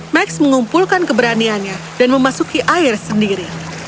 max mengumpulkan keberaniannya dan memasuki air sendiri